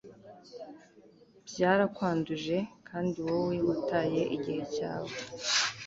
byarakwanduje kandi wowe wataye igihe cyawe